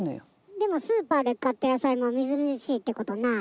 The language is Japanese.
でもスーパーで買った野菜もみずみずしいってことない？